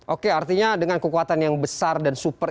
oke artinya dengan kekuatan yang besar dan super